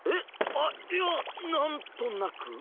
あっいやなんとなく。